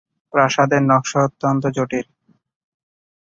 প্রাসাদের নকশা অত্যন্ত জটিল।